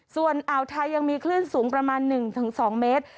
ส่วนอ่าวไทยยังมีคลื่นสูงประมาณ๑๒เมตร